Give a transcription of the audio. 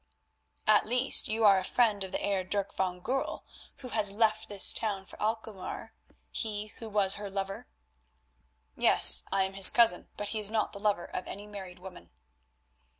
"At least you are a friend of the Heer Dirk van Goorl who has left this town for Alkmaar; he who was her lover?" "Yes, I am his cousin, but he is not the lover of any married woman."